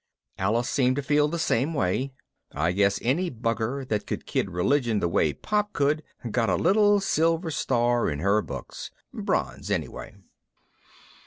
Alice seemed to feel the same way. I guess any bugger that could kid religion the way Pop could got a little silver star in her books. Bronze, anyway.